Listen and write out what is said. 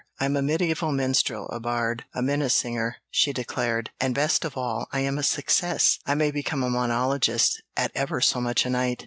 "I'm a mediæval minstrel, a bard, a minne singer," she declared. "And, best of all, I'm a success. I may become a monologist, at ever so much a night.